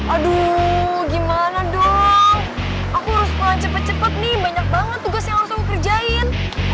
aduh gimana dong aku harus main cepat cepat nih banyak banget tugas yang harus aku kerjain